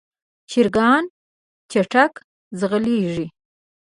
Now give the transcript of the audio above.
چرګان چټک ځغلېږي.